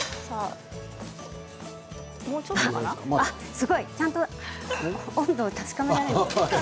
すごい。ちゃんと温度を確かめている。